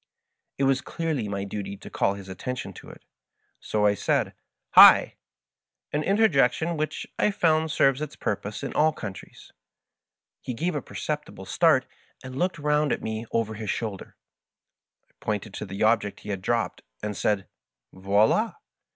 It was clearly my duty Digitized by VjOOQIC MY FASOmATING FRIEND. 136 to call his attention to it; so I said, "Hil" an interjec tion which I have found serves its purpose in all countries. He gave a perceptible start, and looked round at me over his shoulder. I pointed to the object he had dropped, and said, " Voild